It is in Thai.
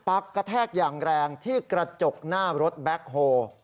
กระแทกอย่างแรงที่กระจกหน้ารถแบ็คโฮ